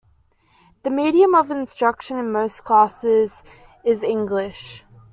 The medium of instruction in most classes is English.